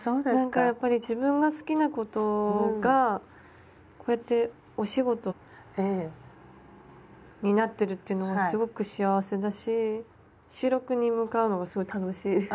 なんかやっぱり自分が好きなことがこうやってお仕事になってるっていうのがすごく幸せだし収録に向かうのがすごい楽しい。